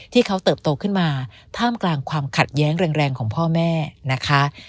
เติบโตขึ้นมาท่ามกลางความขัดแย้งแรงของพ่อแม่นะคะ